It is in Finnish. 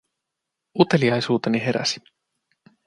Uteliaisuuteni heräsi.